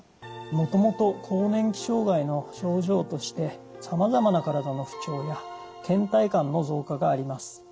もともと更年期障害の症状としてさまざまな体の不調やけん怠感の増加があります。